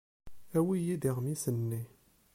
Awi-iyi-d iɣmisen-nni.